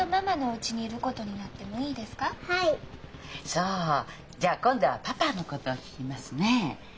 そうじゃあ今度はパパのことを聞きますね。